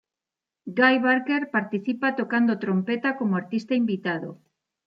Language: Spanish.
Guy Barker participa tocando trompeta como artista invitado.